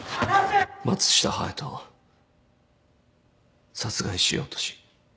松下隼人を殺害しようとし。